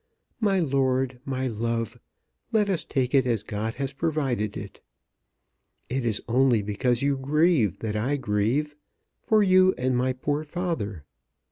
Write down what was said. My lord, my love, let us take it as God has provided it. It is only because you grieve that I grieve; for you and my poor father.